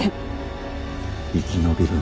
生き延びろ。